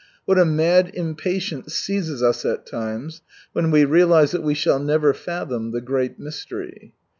What a mad impatience seizes us at times when we realise that we shall never fathom the great mystery